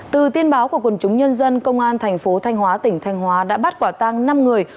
từ tin báo của quần chúng nhân dân công an thành phố thanh hóa tỉnh thanh hóa đã bắt quả tăng năm người